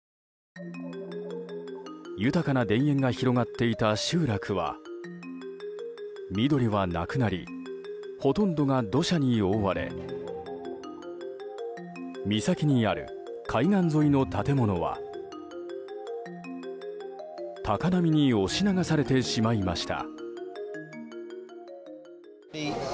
豊かな田園が広がっていた集落は緑はなくなりほとんどが土砂に覆われ岬にある海岸沿いの建物は高波に押し流されてしまいました。